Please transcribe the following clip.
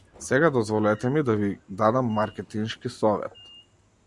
Сега дозволете ми да ви дадам маркетиншки совет.